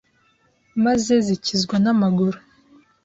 maze zikizwa n’amaguru.